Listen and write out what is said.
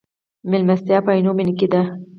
مېلمستیا په عینومېنه کې ده.